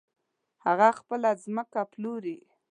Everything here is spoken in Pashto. هغه خپله ځمکه پلوري .